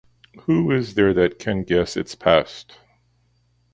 Who is there that can guess its past?